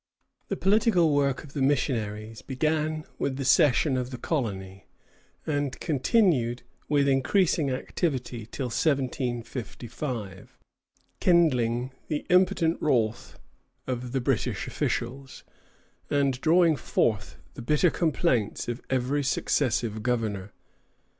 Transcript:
The political work of the missionaries began with the cession of the colony, and continued with increasing activity till 1755, kindling the impotent wrath of the British officials, and drawing forth the bitter complaints of every successive governor.